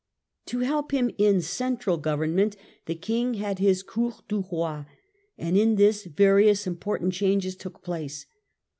Central To help him in central government the King had his Cour du Boi, and in this various important changes took place.